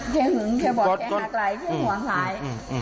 แค่ห่วงตาย